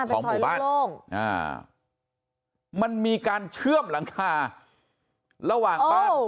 ของหมู่บ้านมันมีการเชื่อมหลังคาระหว่างบ้าน